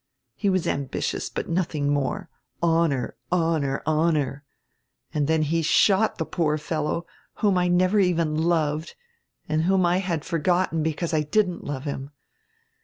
He was ambitious, but nothing more. Honor, honor, honor. And then he shot die poor fellow whom I never even loved and whom I had forgotten, because I didn't love him.